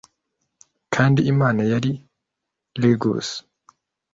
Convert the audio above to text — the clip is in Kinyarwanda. kandi imana yari Logos